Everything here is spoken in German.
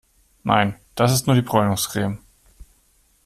Nein, das ist nur die Bräunungscreme.